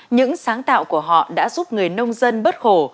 những sáng tạo của họ đã giúp người nông dân bớt khổ